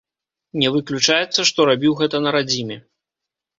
Не выключаецца, што рабіў гэта на радзіме.